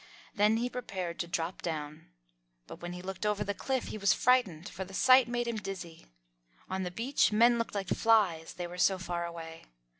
Then he prepared to drop down. But when he looked over the cliff, he was very frightened, for the sight made him dizzy. On the beach, men looked like flies, they were so far away.